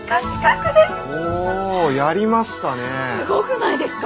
すごくないですか？